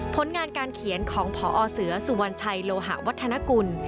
ผลงานการเขียนของพอเสือสุวรรณชัยโลหะวัฒนกุล